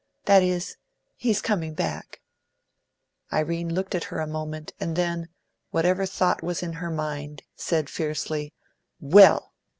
That is he's coming back " Irene looked at her a moment, and then, whatever thought was in her mind, said fiercely, "Well!"